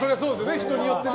人によってね。